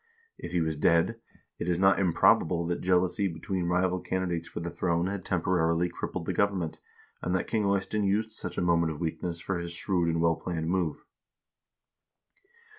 If he was dead, it is not improbable that jealousy between rival candidates for the throne had temporarily crippled the govern ment, and that King Eystein used such a moment of weakness for his shrewd and well planned move.